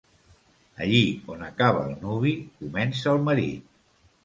Allí on acaba el nuvi comença el marit.